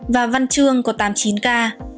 và văn trương có tám mươi chín ca